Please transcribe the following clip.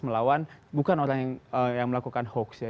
melawan bukan orang yang melakukan hoax ya